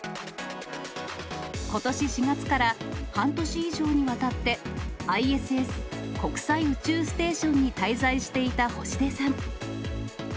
ことし４月から、半年以上にわたって、ＩＳＳ・国際宇宙ステーションに滞在していた星出さん。